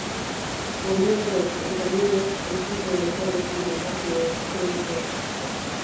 Oierrek eta Libek ez dute elkarrekin emozioez hitz egiten.